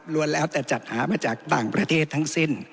รวมแล้วแต่จัดหามาจากต่างประเทศทั้งสิ้น